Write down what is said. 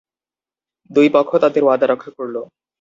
দুই পক্ষ তাদের ওয়াদা রক্ষা করল।